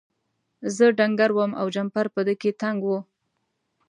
زه ډنګر وم او جمپر په ده کې تنګ و.